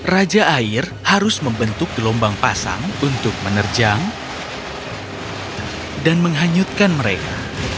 raja air harus membentuk gelombang pasang untuk menerjang dan menghanyutkan mereka